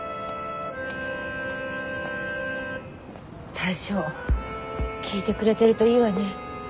大将聴いてくれてるといいわね。